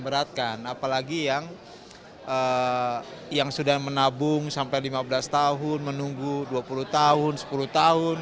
beratkan apalagi yang sudah menabung sampai lima belas tahun menunggu dua puluh tahun sepuluh tahun